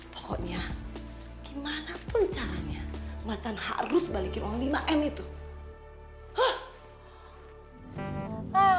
pokoknya gimana pun caranya macan harus balikin uang lima m itu